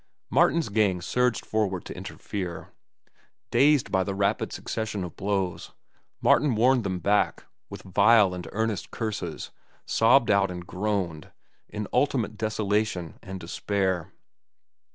Martin's gang surged forward to interfere. Dazed by the rapid succession of blows, Martin warned them back with vile and earnest curses sobbed out and groaned in ultimate desolation and despair.